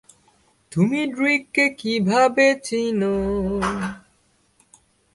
তুমি ড্রুইগকে কীভাবে চিনো?